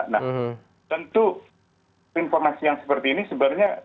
nah tentu informasi yang seperti ini sebenarnya